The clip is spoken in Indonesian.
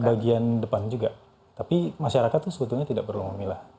bagian depan juga tapi masyarakat kan sebetulnya tidak perlu memilah